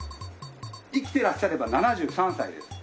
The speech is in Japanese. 生きていらっしゃれば７３歳です。